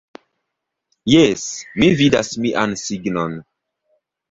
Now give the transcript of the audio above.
Jes, mi vidas mian signon